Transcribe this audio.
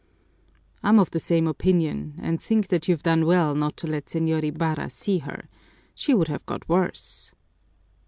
"I'm of the same opinion, and think that you've done well not to let Señor Ibarra see her. She would have got worse.